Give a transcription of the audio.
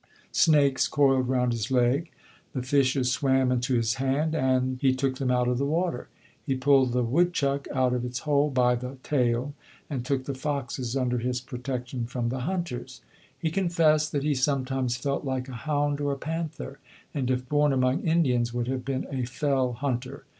Snakes coiled round his leg, the fishes swam into his hand, and he took them out of the water; he pulled the woodchuck out of its hole by the tail, and took the foxes under his protection from the hunters. He confessed that he sometimes felt like a hound or a panther, and, if born among Indians, would have been a fell hunter.